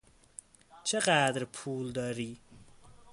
چقدر پول داری؟